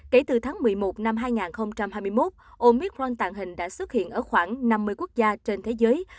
kể từ tháng một mươi một năm hai nghìn hai mươi một omicron tàng hình đã xuất hiện ở khoảng năm mươi quốc gia trên thế giới